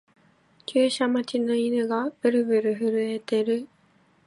注射待ちの犬がブルブル震えてる